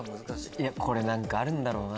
これ何かあるんだろうな。